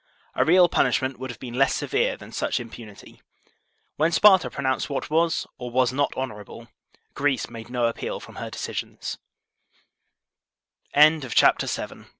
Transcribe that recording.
A real punishment would have been less severe than such im punity. When Sparta pronounced what was or was not honorable, Greece made no appeal from her decisi